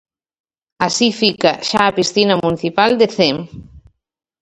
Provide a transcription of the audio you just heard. Así fica xa a piscina municipal de Cee.